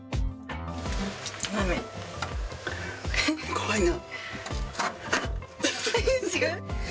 怖いな。